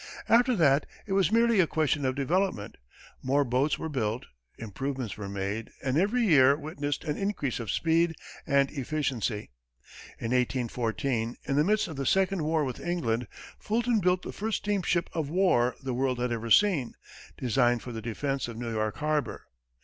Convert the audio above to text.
After that, it was merely a question of development. More boats were built, improvements were made, and every year witnessed an increase of speed and efficiency. In 1814, in the midst of the second war with England, Fulton built the first steam ship of war the world had ever seen, designed for the defense of New York harbor.